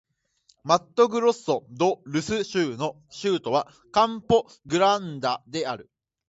マットグロッソ・ド・スル州の州都はカンポ・グランデである